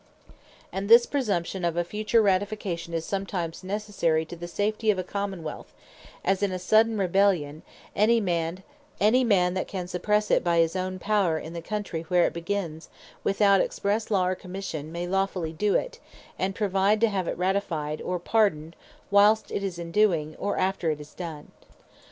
And this Presumption of a future Ratification, is sometimes necessary to the safety [of] a Common wealth; as in a sudden Rebellion, any man that can suppresse it by his own Power in the Countrey where it begins, may lawfully doe it, and provide to have it Ratified, or Pardoned, whilest it is in doing, or after it is done.